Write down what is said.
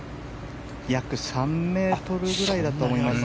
約３ｍぐらいだと思います。